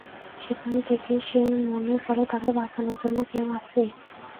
যেখান থেকে সে মনে করে তাকে বাঁচানোর জন্য কেউ আছে।